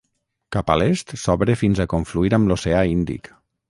Cap a l'est s'obre fins a confluir amb l'oceà Índic.